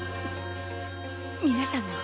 皆さんの。